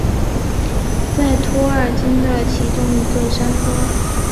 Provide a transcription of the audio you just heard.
在托尔金的其中一个山峰。